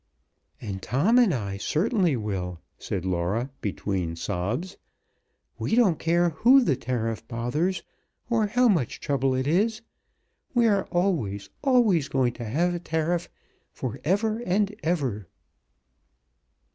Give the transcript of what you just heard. "And Tom and I certainly will," said Laura between sobs. "We don't care who the tariff bothers, or how much trouble it is. We are always, always going to have a tariff for ever and ever!"